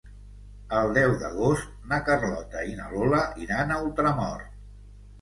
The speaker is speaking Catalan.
El deu d'agost na Carlota i na Lola iran a Ultramort.